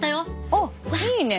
あっいいね。